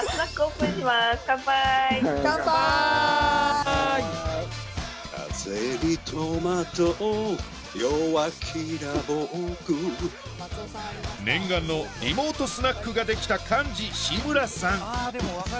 風に戸惑う弱気な僕念願のリモートスナックができた幹事志村さん